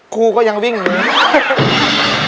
ครูก็ยังวิ่ง